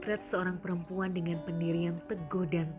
iennent tidak bernellebihan dengan pelhirian dan pelaki kali